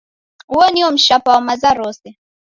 Uo nio mshapa wa maza rose.